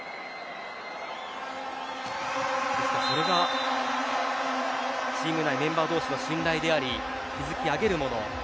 それがチーム内メンバー同士の信頼であり築き上げるもの。